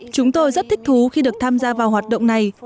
chúng tôi rất thích thú khi được tham gia vào hoạt động này